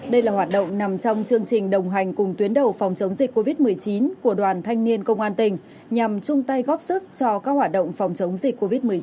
đây là hoạt động nằm trong chương trình đồng hành cùng tuyến đầu phòng chống dịch covid một mươi chín của đoàn thanh niên công an tỉnh nhằm chung tay góp sức cho các hoạt động phòng chống dịch covid một mươi chín